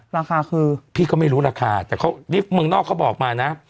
ราคาคือพี่ก็ไม่รู้ราคาแต่เขานี่เมืองนอกเขาบอกมานะ